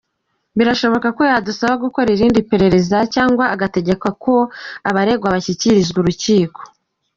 Birashoboka ko yadusaba gukora irindi perereza cyangwa agategeka ko abaregwa bashyikirizwa urukiko.”